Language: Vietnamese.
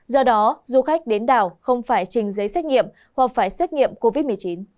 do đó du khách đến đảo không phải trình giấy xét nghiệm hoặc phải xét nghiệm covid một mươi chín